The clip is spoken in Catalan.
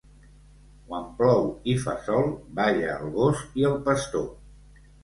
Quan plou i fa sol, balla el gos i el pastor.